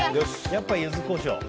やっぱユズコショウ。